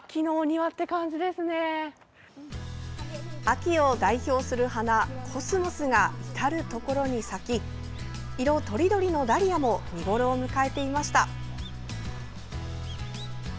秋を代表する花コスモスが至る所に咲き色とりどりのダリアも見ごろを迎えていました。